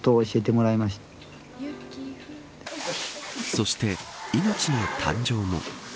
そして命の誕生も。